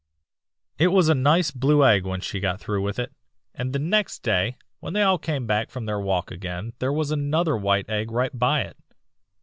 ] "'It was a nice blue egg when she got through with it, and the next day, when they all came back from their walk again there was another white egg right by it.